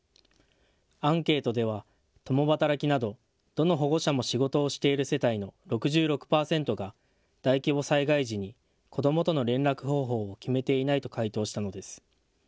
アンケートでは共働きなどどの保護者も仕事をしている世帯の６６％が大規模災害時に子どもとの連絡方法を決めていないと回答したのです。